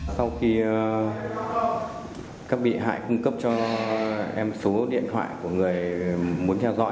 sau khi các bị hại cung cấp cho em số điện thoại của người muốn theo dõi